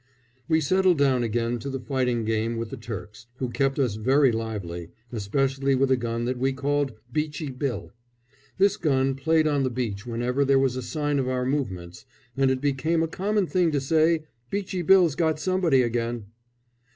We settled down again to the fighting game with the Turks, who kept us very lively, especially with a gun that we called "Beachy Bill." This gun played on the beach whenever there was a sign of our movements, and it became a common thing to say, "Beachy Bill's got somebody again."